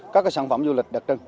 các cái sản phẩm du lịch đặc trưng